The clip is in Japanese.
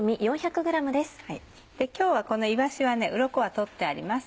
今日はこのいわしはウロコは取ってあります。